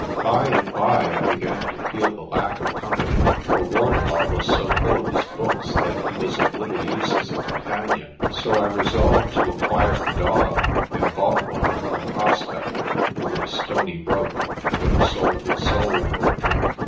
By and by I began to feel the lack of company, for Wardlaw was so full of his books that he was of little use as a companion. So I resolved to acquire a dog, and bought one from a prospector, who was stony broke and would have sold his soul for a drink.